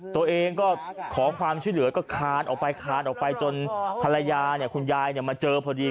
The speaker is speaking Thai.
ตัวเองก็ขอความช่วยเหลือก็คานออกไปคานออกไปจนภรรยาคุณยายมาเจอพอดี